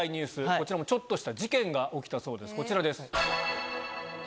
こちらもちょっとした事件が起きたそうですこちらです。